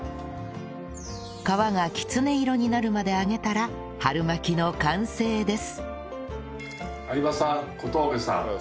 皮がきつね色になるまで揚げたら春巻の完成です